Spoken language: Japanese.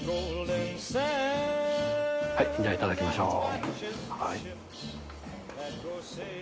はいじゃあいただきましょうはい。